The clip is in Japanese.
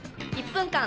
「１分間！